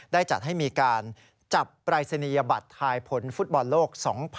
ได้จัดให้มีการจับปรายศนียบัตรทายผลฟุตบอลโลก๒๐๑๖